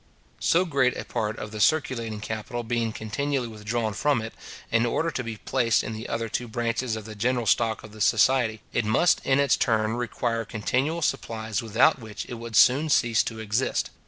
So great a part of the circulating capital being continually withdrawn from it, in order to be placed in the other two branches of the general stock of the society, it must in its turn require continual supplies without which it would soon cease to exist.